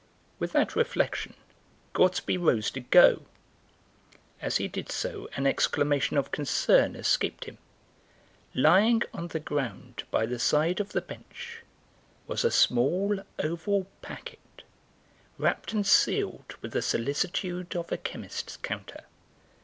With that reflection Gortsby rose to go; as he did so an exclamation of concern escaped him. Lying on the ground by the side of the bench was a small oval packet, wrapped and sealed with the solicitude of a chemist's counter.